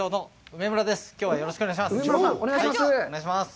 梅村さん、よろしくお願いします。